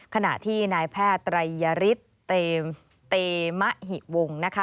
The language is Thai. ขณะที่นายแพทย์ไตรยฤทธิ์เตมะหิวงนะคะ